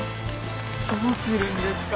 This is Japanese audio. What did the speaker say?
どうするんですか？